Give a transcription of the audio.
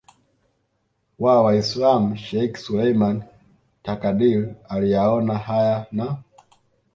wa Waislam Sheikh Suleiman Takadir aliyaona haya na